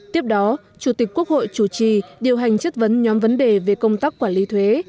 tiếp đó chủ tịch quốc hội chủ trì điều hành chất vấn nhóm vấn đề về công tác quản lý thuế